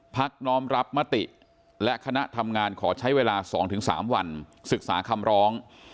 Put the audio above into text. น้อมรับมติและคณะทำงานขอใช้เวลา๒๓วันศึกษาคำร้อง